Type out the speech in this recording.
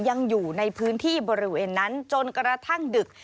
ยังอยู่ในพื้นที่บริเวณนั้นจนกระทั่งดึก